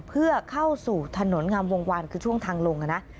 เพื่อเข้าสู่ถนนงามวงวานคือช่วงทางลงนะ